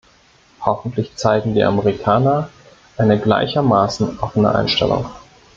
Hoffentlich zeigen die Amerikaner eine gleichermaßen offene Einstellung.